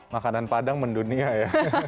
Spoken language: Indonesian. makanan padang mendunia ya